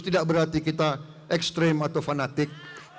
tidak berarti kita ekstrim atau fanatik